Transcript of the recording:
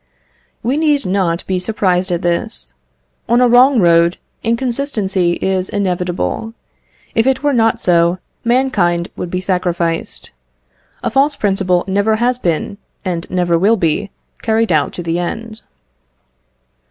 We need not be surprised at this. On a wrong road, inconsistency is inevitable; if it were not so, mankind would be sacrificed. A false principle never has been, and never will be, carried out to the end.